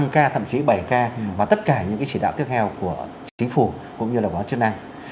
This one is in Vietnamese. năm k thậm chí bảy k và tất cả những cái chỉ đạo tiếp theo của chính phủ cũng như là quán chức năng